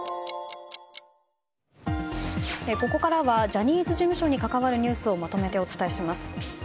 ここからはジャニーズ事務所に関わるニュースをまとめてお伝えします。